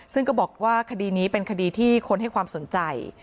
ซึ่งก็บอกว่าคดีนี้เป็นคดีที่คนให้ความสนใจ